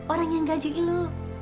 orang yang gaji lu